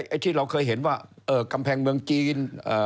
ไอ้ที่เราเคยเห็นว่ากำแพงเมืองจีน